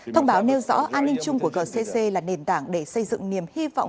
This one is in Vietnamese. thông báo nêu rõ an ninh chung của gcc là nền tảng để xây dựng niềm hy vọng